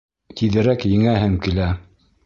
Тиҙерәк еңәһем килә.